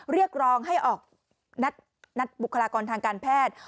เรียกร้องให้ออกนัดบุคลากรทางการแพทย์